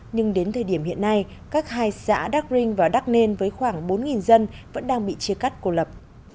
nhưng đến thời điểm hiện nay các hai xã đắc rinh và đắc nên với khoảng bốn dân vẫn đang bị chia cắt cô lập